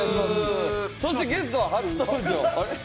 そしてゲストは初登場あれ？